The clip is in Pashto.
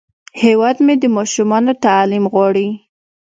هیواد مې د ماشومانو تعلیم غواړي